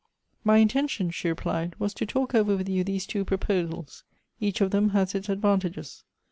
" My intention," she replied, " was to talk over with you these two proposals — each of them has its advan tages.